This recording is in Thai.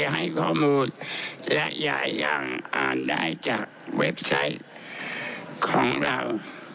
ให้ข้อมูลและยายอย่างอ่านได้จากเว็บไซต์ของเรา